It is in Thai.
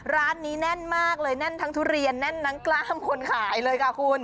ร้านนี้แน่นมากเลยแน่นทั้งทุเรียนแน่นทั้งกล้ามคนขายเลยค่ะคุณ